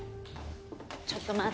ちょっと待って。